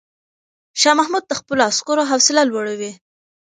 شاه محمود د خپلو عسکرو حوصله لوړوي.